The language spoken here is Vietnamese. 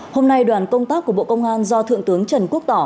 hôm nay đoàn công tác của bộ công an do thượng tướng trần quốc tỏ